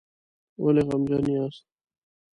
ولې غمجن یاست؟